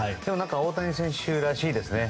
大谷選手らしいですね。